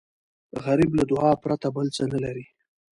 غریب له دعا پرته بل څه نه لري